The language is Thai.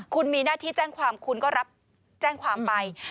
คุณมีหน้าที่แจ้งความคุณก็รับแจ้งความไป